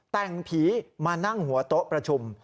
แต่งผีมานั่งหัวโต๊ะประชุม